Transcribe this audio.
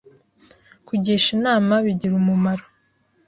Kugisha inama bigira umumaro